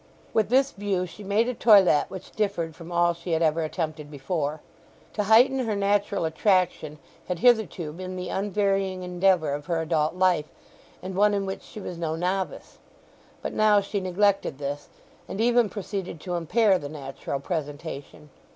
With this view she made a toilette which differed from all she had ever attempted before. To heighten her natural attraction had hitherto been the unvarying endeavour of her adult life, and one in which she was no novice. But now she neglected this, and even proceeded to impair the natural presentation.